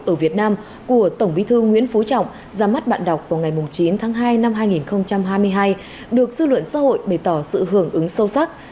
ở việt nam của tổng bí thư nguyễn phú trọng ra mắt bạn đọc vào ngày chín tháng hai năm hai nghìn hai mươi hai được dư luận xã hội bày tỏ sự hưởng ứng sâu sắc